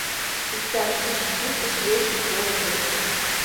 Иктаж вич минут гыч Леший толын лекте.